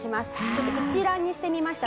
ちょっと一覧にしてみました。